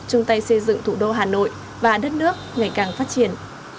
chung tay xây dựng thủ đô hà nội và đất nước ngày càng phát triển